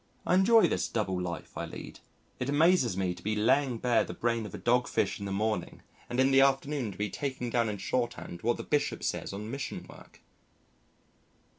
I enjoy this double life I lead. It amazes me to be laying bare the brain of a dogfish in the morning and in the afternoon to be taking down in shorthand what the Bishop says on Mission Work.